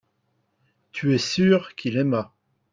tu es sûr qu'il aima.